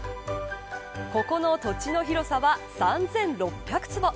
ここの土地の広さは３６００坪。